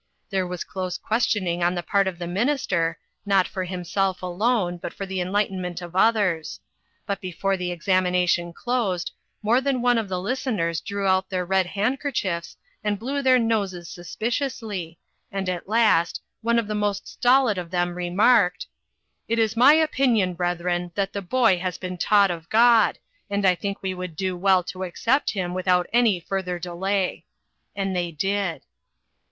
There was close questioning on the part of the minister, not for himself alone, but for the enlightenment of others ; but before the ex amination closed, more than one of the lis teners drew out their red handkerchiefs, and blew their noses suspiciously, and at last, one of the most stolid of them remarked :" It is my opinion, brethren, that the boy has been taught of God, and I think we would do well to accept him without any further delay." And they did.